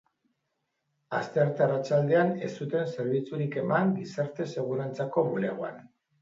Astearte arratsaldean ez zuten zerbitzurik eman gizarte segurantzako bulegoan.